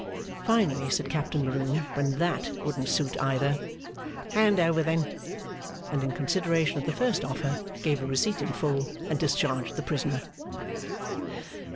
Finally said Captain Maroon, when that wouldn't suit either, 'Hand over, then!' And in consideration of the first offer, gave a receipt in full and discharged the prisoner.